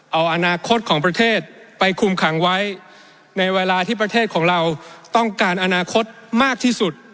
เอาอนาคตของประเทศไปคุมขังไว้ในเวลาที่ประเทศของเราต้องการอนาคตมากที่สุด